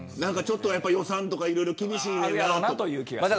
予算とかいろいろ厳しいんやろうなと。